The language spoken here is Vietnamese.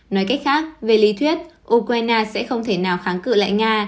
nói cách khác về lý thuyết ukraine sẽ không thể nào kháng cự lại nga